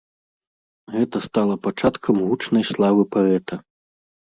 Гэта стала пачаткам гучнай славы паэта.